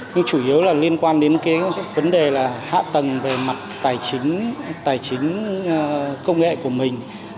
nhưng chủ yếu là liên quan đến cái vấn đề là hạ tầng về mặt tài chính tài chính công nghệ của mình